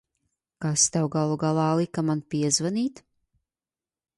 Kas tev galu galā lika man piezvanīt?